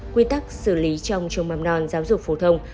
quy tắc xử lý trong trường mầm non giáo dục phổ thông